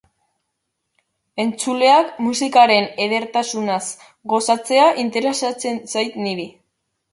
Entzuleak musikaren edertasunaz gozatzea interesatzen zait niri.